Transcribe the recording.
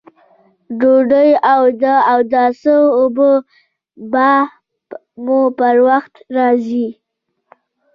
ډوډۍ او د اوداسه اوبه به مو پر وخت راځي!